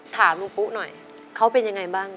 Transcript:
ถามลูกปู่น้อยเขาเป็นอย่างไงบ้าง